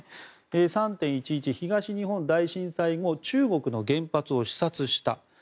３・１１、東日本大震災後中国の原発を視察した。